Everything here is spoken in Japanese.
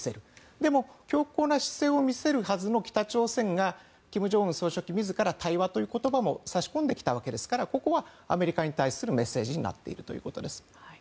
でも、強硬な姿勢を見せるはずの北朝鮮が金正恩総書記自ら対話という言葉も差し込んできたわけですからアメリカに対するメッセージになっているということです。